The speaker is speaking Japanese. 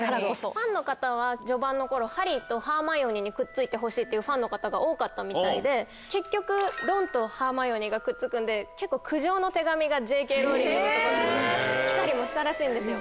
ファンの方は序盤の頃ハリーとハーマイオニーにくっついてほしいっていうファンの方が多かったみたいで結局ロンとハーマイオニーがくっつくんで結構苦情の手紙がＪ．Ｋ．ローリングのとこに来たりもしたらしいんですよ。